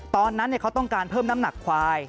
ตอนนั้นเขาต้องการเพิ่มน้ำหนักควาย